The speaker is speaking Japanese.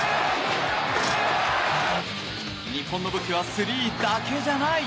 日本の武器はスリーだけじゃない。